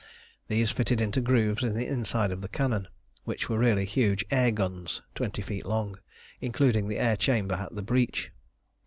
These fitted into grooves in the inside of the cannon, which were really huge air guns twenty feet long, including the air chamber at the breech.